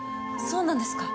そうなんですか？